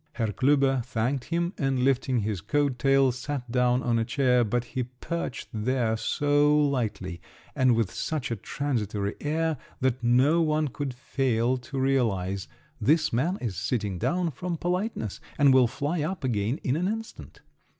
Herr Klüber thanked him, and lifting his coat tails, sat down on a chair; but he perched there so lightly and with such a transitory air that no one could fail to realise, "this man is sitting down from politeness, and will fly up again in an instant."